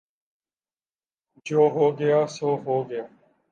جو ہو گیا سو ہو گیا